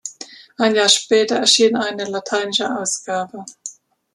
Ein Jahr später erschien eine lateinische Ausgabe.